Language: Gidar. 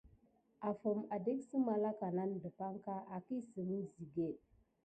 Afuw adek sə malaka nan depanka, akisəmek zəget.